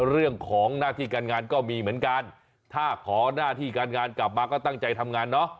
เรื่องของหน้าที่การงานก็มีเหมือนกันถ้าขอหน้าที่การงานกลับมาก็ตั้งใจทำงานเนอะ